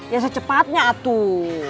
ya secepatnya atur